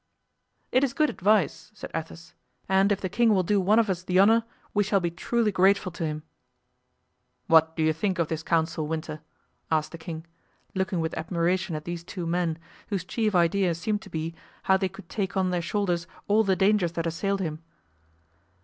"It is good advice," said Athos, "and if the king will do one of us the honor we shall be truly grateful to him." "What do you think of this counsel, Winter?" asked the king, looking with admiration at these two men, whose chief idea seemed to be how they could take on their shoulders all the dangers that assailed him.